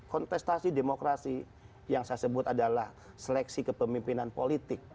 kontestasi demokrasi yang saya sebut adalah seleksi kepemimpinan politik